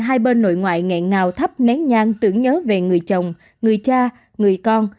hai bên nội ngoại ngào thắp nén nhang tưởng nhớ về người chồng người cha người con